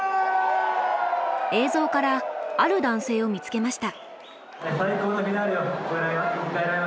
映像からある男性を見つけました。